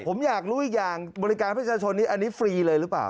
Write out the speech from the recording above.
ผมอยากรู้อีกอย่างบริการประชาชนนี้อันนี้ฟรีเลยหรือเปล่า